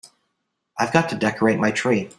I've got to decorate my tree.